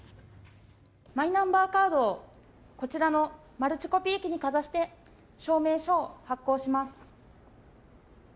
マイナンバーカードをこちらのマルチコピー機にかざして証明書を発行します。